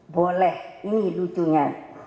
boleh ini lucunya